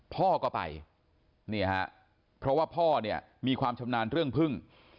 พ่อก็ไปนี่ฮะเพราะว่าพ่อเนี่ยมีความชำนาญเรื่องพึ่ง